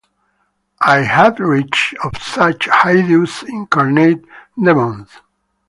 I had read of such hideous incarnate demons.